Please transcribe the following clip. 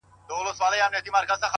هغه به زما له سترگو